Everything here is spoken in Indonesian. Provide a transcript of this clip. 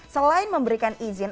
selain memberikan izin